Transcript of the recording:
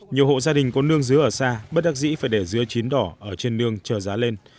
nhiều hộ gia đình có nương dứa ở xa bất đắc dĩ phải để dứa chín đỏ ở trên nương chờ giá lên